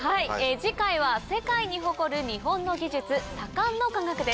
次回は世界に誇る日本の技術左官の科学です。